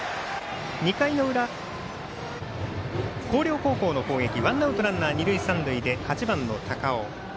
２回の裏広陵高校の攻撃ワンアウト、ランナー、二塁三塁８番の高尾。